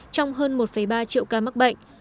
trong hơn một ba triệu ca mắc bệnh